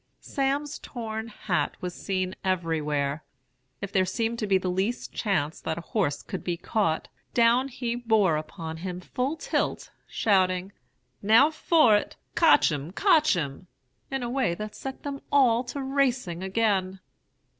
"Sam's torn hat was seen everywhere. If there seemed to be the least chance that a horse could be caught, down he bore upon him full tilt, shouting, 'Now for it! Cotch him! cotch him!' in a way that set them all to racing again.